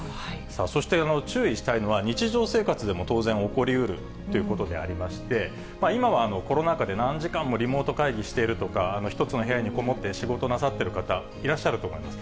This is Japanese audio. そして注意したいのは、日常生活でも当然起こりうるということでありまして、今はコロナ禍で何時間もリモート会議しているとか、１つの部屋に籠もって仕事なさってる方、いらっしゃると思います。